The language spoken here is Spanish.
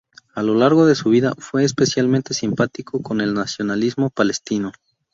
A lo largo de su vida, fue especialmente simpático con el nacionalismo palestino.